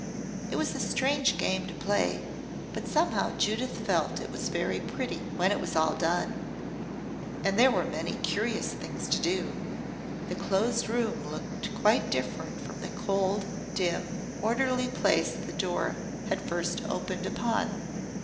It was a strange game to play, but somehow Judith felt it was very pretty. When it was all done and there were many curious things to do the Closed Room looked quite different from the cold, dim, orderly place the door had first opened upon.